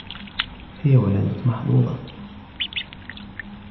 هي ولدت محظوظة.